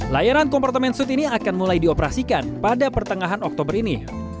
layanan kompartemen suit ini akan mulai dioperasikan pada pertengahan oktober ini